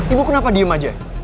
ibu kenapa diem aja